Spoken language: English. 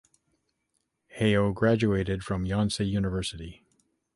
Heo graduated from Yonsei University.